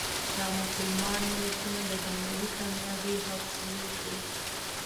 نامسلمان ملتونه دنیوي کامیابۍ حاصلې کړي.